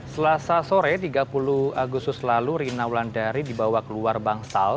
selasa sore tiga puluh agustus lalu rina wulandari dibawa keluar bangsal